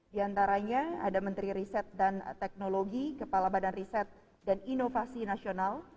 di antaranya ada menteri riset dan teknologi kepala badan riset dan inovasi nasional